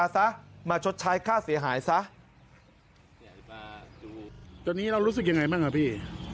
ตอนนี้เรารู้สึกยังไงบ้างอ่ะพี่